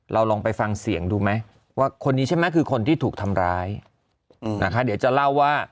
ลองไปฟังเสียงดูไหมว่าคนนี้ใช่ไหมคือคนที่ถูกทำร้ายนะคะเดี๋ยวจะเล่าว่า